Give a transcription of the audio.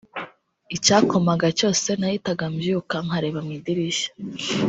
Icyakomaga cyose nahitaga mbyuka nkareba mu idirishya